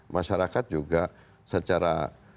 masyarakat juga secara